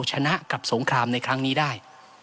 ชนะกับสงครามในครั้งนี้ได้